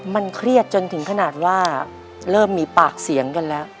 มันเครียดจนถึงขนาดว่าเริ่มมีปากเสียงกันแล้ว